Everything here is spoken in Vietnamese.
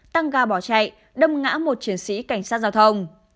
tăng ga bỏ chạy đâm ngã một chiến sĩ cảnh sát giao thông